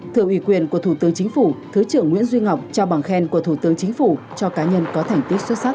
thưa ủy quyền của thủ tướng chính phủ thứ trưởng nguyễn duy ngọc trao bằng khen của thủ tướng chính phủ cho cá nhân có thành tích xuất sắc